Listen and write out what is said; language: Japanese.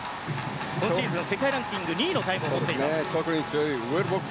今シーズン世界ランキング２位のタイムを持ってます。